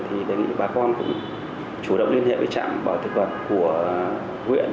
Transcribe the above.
thì đề nghị bà con cũng chủ động liên hệ với trạm bảo thực vật của huyện